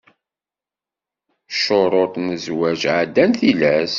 Ccuruṭ n zzwaǧ εeddan tilas.